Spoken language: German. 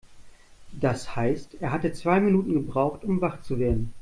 Das heißt, er hatte zwei Minuten gebraucht, um wach zu werden.